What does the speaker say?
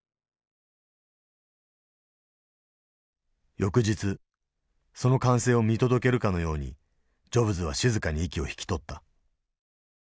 翌日その完成を見届けるかのようにジョブズは静かに息を引き取った。